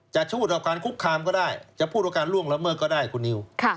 จะพูดต่อการคุกคามก็ได้จะพูดว่าการล่วงละเมิดก็ได้คุณนิว